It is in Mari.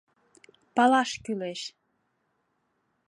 — Палаш кӱлеш.